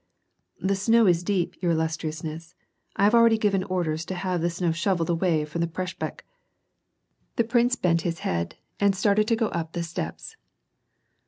" The snow is deep, your illustriousness, I have already given ordors to have the snow shovelled away from the preshpektJ' Tlio prince bent his heati, and started to go up the steps.